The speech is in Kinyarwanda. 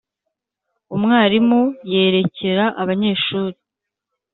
umwarimu yerekera abanyeshuri,